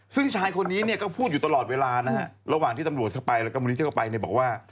ซึ่งชายคนนี้เนี่ยก็พูดอยู่ตลอดเวลานะฮะระหว่างที่ตำรวจเข้าไปแล้วก็มูลนิธิเข้าไปเนี่ยบอกว่า